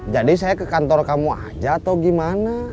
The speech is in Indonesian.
jadi saya ke kantor kamu aja atau gimana